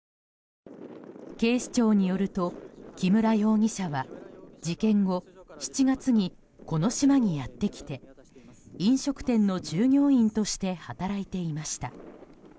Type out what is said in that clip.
警視庁によると木村容疑者は事件後、７月にこの島にやってきて飲食店の従業員として働いていました。